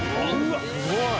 すごい！